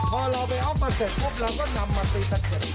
พอเราไปเอามาเสร็จปุ๊บเราก็นำมาตีตะเข็ด